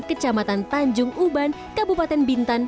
kecamatan tanjung uban kabupaten bintan